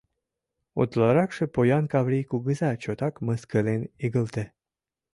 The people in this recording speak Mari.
Утларакше поян Каврий кугыза чотак мыскылен игылте: